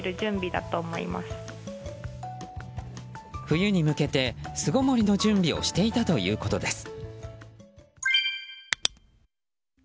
冬に向けて巣ごもりの準備をしていたということです。